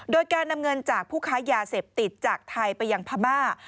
โดยการนำเงินจากผู้ค้ายาเสพติดจากไทยไปยังพม่า